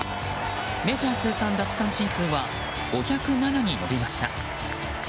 メジャー通算奪三振数は５０７に延びました。